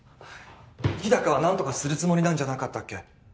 日高は何とかするつもりなんじゃなかったっけ？